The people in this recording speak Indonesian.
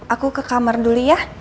aku ke kamar dulu ya